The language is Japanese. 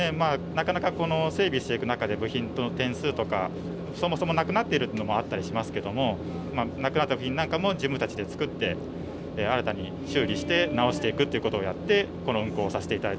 なかなか整備していく中で部品の点数とかそもそもなくなっているのもあったりしますけどもなくなった部品なんかも自分たちで作って新たに修理して直していくっていうことをやってこの運行をさせていただいております。